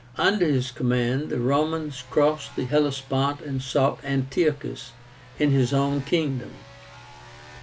Under his command, the Romans crossed the Hellespont and sought Antiochus in his own kingdom.